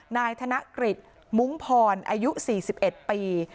นายธนกริจมุ้งพรอายุสี่สิบเอ็ดปี